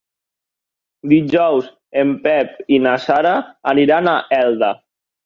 Dijous en Pep i na Sara aniran a Elda.